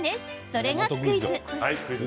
それがクイズ。